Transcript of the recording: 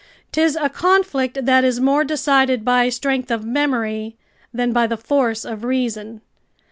'Tis a conflict that is more decided by strength of memory than by the force of reason.